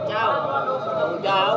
pak mau nanya pak erlangga pak